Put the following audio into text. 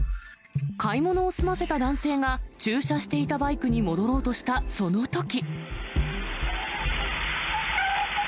買い物を済ませた男性が、駐車していたバイクに戻ろうとした、そのとき。